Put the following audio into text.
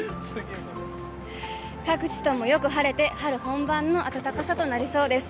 各地ともよく晴れて、春本番の暖かさとなりそうです。